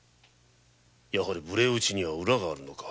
やはり無礼討ちには裏があるのか？